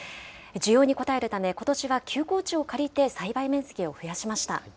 需要に応えるため、ことしは休耕地を借りて栽培面積を増やしました。